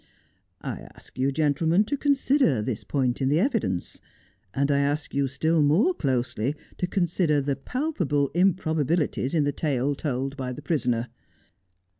I ask you, gentlemen, to consider this point in the evidence ; and I ask you still more closely to consider the palpable improbabilities in the tale told by the prisoner.